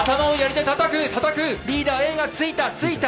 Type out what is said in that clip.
たたく！リーダーＡが突いた！